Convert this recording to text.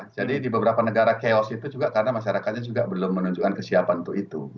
jadi di beberapa negara chaos itu juga karena masyarakatnya juga belum menunjukkan kesiapan untuk itu